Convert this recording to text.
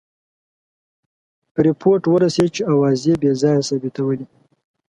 رپوټ ورسېد چې آوازې بې ځایه ثابتولې.